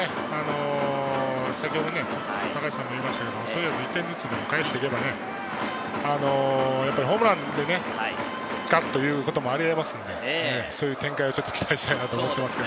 先ほど高橋さんも言いましたけど、とりあえず１点ずつ返していけば、ホームランで勝つということもあり得ますので、そういう展開を期待したいなと思います。